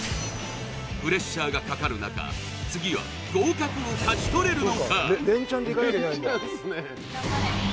プレッシャーがかかる中次は合格を勝ち取れるのか！？